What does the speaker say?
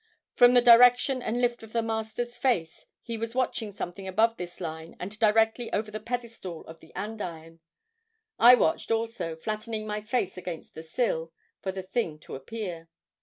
From the direction and lift of the Master's face, he was watching something above this line and directly over the pedestal of the andiron. I watched, also, flattening my face against the sill, for the thing to appear.